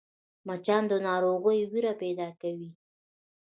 مچان د ناروغۍ وېره پیدا کوي